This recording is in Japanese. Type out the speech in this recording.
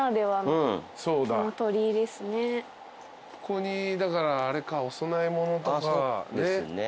ここにだからお供え物とかね。